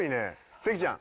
関ちゃん。